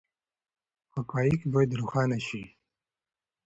حقایق باید روښانه شي.